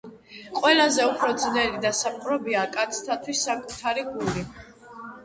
ყველაზე უფრო ძნელი დასაპყრობია კაცთათვის საკუთარი გული